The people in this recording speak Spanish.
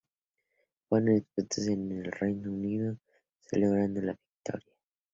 Fueron expuestos en el Reino Unido celebrando la victoria.